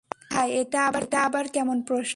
গাধা, এটা আবার কেমন প্রশ্ন?